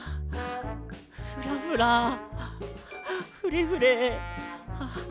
「フラフラ」「フレフレ」。